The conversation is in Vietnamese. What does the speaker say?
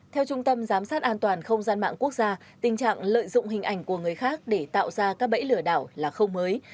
theo trung tâm giám sát an toàn không gian mạng quốc gia tình trạng lợi dụng hình ảnh của người khác để tạo ra các bẫy lừa đảo là không mới